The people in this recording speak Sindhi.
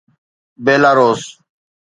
بيلاروس